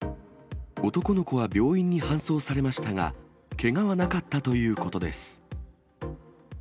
男の子は病院に搬送されましたが、けがはなかったということです。